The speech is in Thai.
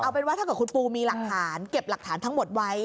เอาเป็นว่าถ้าเกิดคุณปูมีหลักฐานเก็บหลักฐานทั้งหมดไว้